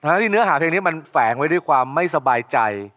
ที่เนื้อหาเพลงนี้มันแฝงไว้ด้วยความไม่สบายใจ